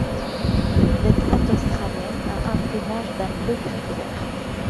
L'Aigrette australienne a un plumage d'un bleu-gris clair.